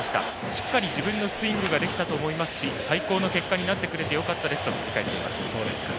しっかり自分のスイングができたと思いますし最高の結果になってくれてよかったですと振り返っています。